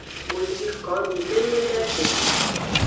Wo ji komi memledagbe.